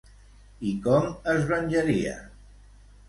I com es venjaria?